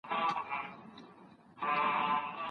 ځان د بل چا په څېر مه جوړوئ.